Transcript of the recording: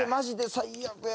最悪や。